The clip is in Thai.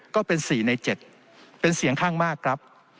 ก็เป็น๔ใน๗เป็นเสียงข้างมากครับ